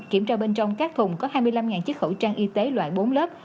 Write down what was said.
kiểm tra bên trong các thùng có hai mươi năm chiếc khẩu trang y tế loại bốn lớp